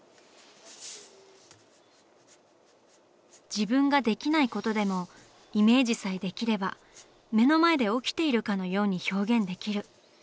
自分ができないことでもイメージさえできれば目の前で起きているかのように表現できる。